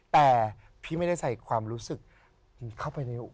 แต่พี่ไม่ได้ใส่ความรู้สึกนี้เข้าไปในอู